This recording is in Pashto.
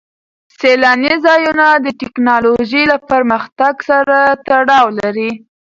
سیلاني ځایونه د تکنالوژۍ له پرمختګ سره تړاو لري.